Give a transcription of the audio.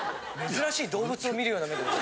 珍しい動物を見るような目で。